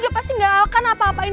mama dihanjem sama al